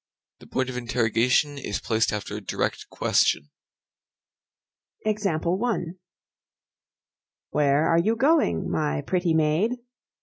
The point of interrogation is placed after a direct question. Where are you going, my pretty maid?